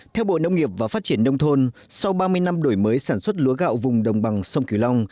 theo bộ nông nghiệp và phát triển nông thôn sau ba mươi năm đổi mới sản xuất lúa gạo vùng đồng bằng sông kiều long